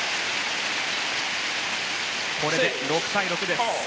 これで６対６です。